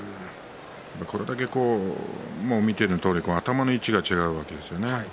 これだけ、見てのとおり頭の位置が違うわけですね。